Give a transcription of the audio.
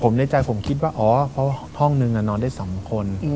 ผมในใจผมคิดว่าอ๋อเพราะห้องนึงนอนได้๒คน